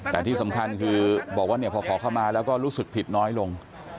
แต่ที่สำคัญคือบอกว่าพอขอเข้ามาแล้วก็รู้สึกผิดน้อยลง